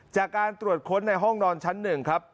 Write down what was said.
จากการตรวจค้นในห้องนอนชั้น๑ครับ